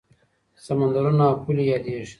سمندرونه او پولې یادېږي.